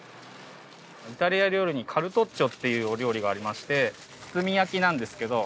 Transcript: イタリア料理にカルトッチョっていうお料理がありまして包み焼きなんですけど。